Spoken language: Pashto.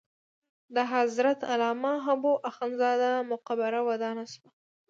د حضرت علامه حبو اخند زاده مقبره ودانه شوه.